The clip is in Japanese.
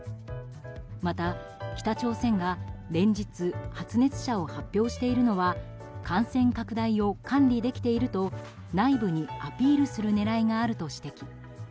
また北朝鮮が連日発熱者を発表しているのは感染拡大を管理できていると内部にアピールする狙いがあると指摘。